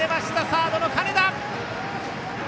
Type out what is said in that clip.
サードの金田。